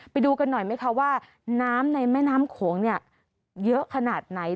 ไปดูกันหน่อยไหมคะว่าน้ำในแม่น้ำโขงเนี่ยเยอะขนาดไหน